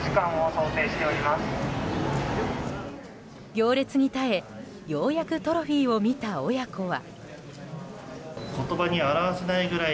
行列に耐え、ようやくトロフィーを見た親子は。